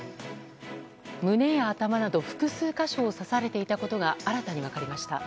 胸や頭など複数箇所を刺されていたことが新たに分かりました。